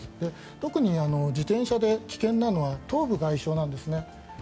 特に、自転車で危険なのは頭部外傷なんですね。